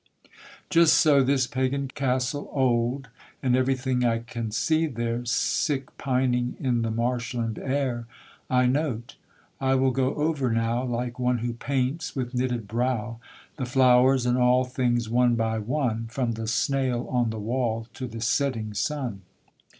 Just so this Pagan castle old, And everything I can see there, Sick pining in the marshland air, I note: I will go over now, Like one who paints with knitted brow, The flowers and all things one by one, From the snail on the wall to the setting sun.